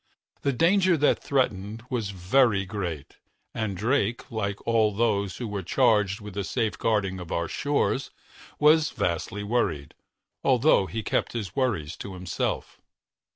The danger that threatened was very great, and Drake, like all of those who were charged with the safeguarding of our shores, was vastly worried, although he kept his worries to himself.